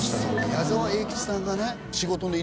矢沢永吉さんがね